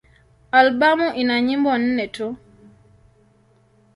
Albamu ina nyimbo nne tu.